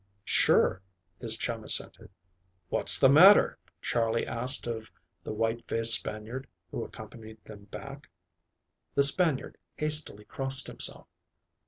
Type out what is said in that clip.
"Sure," his chum assented. "What's the matter?" Charley asked of the white faced Spaniard who accompanied them back. The Spaniard hastily crossed himself.